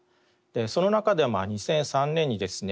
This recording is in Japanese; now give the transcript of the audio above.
その中で２００３年にですね